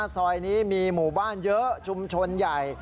ซอยนี้มีหมู่บ้านเยอะชุมชนใหญ่